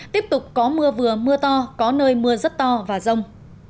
tiếp tục có mưa vừa mưa to có nơi mưa rất to và rông